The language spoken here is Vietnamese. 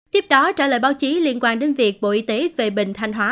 tiếp đó trả lời báo chí liên quan đến việc bộ y tế về bình thanh hóa